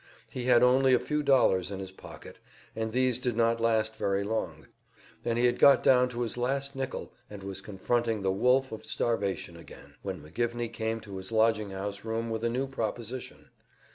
He had only a few dollars in his pocket, and these did not last very long, and he had got down to his last nickel, and was confronting the wolf of starvation again, when McGivney came to his lodging house room with a new proposition.